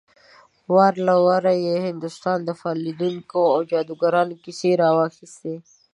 وار له واره يې د هندوستان د فال ليدونکو او جادوګرانو کيسې راواخيستې.